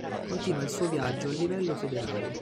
Continua il suo viaggio a livello federale.